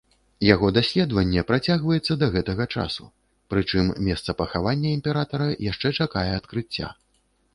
Яго даследаванне працягваецца да гэтага часу, прычым месца пахавання імператара яшчэ чакае адкрыцця.